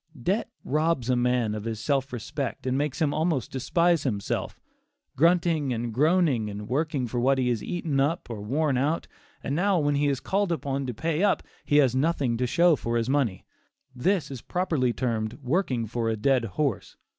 Debt robs a man of his self respect, and makes him almost despise himself. Grunting and groaning and working for what he has eaten up or worn out, and now when he is called upon to pay up, he has nothing to show for his money; this is properly termed "working for a dead horse."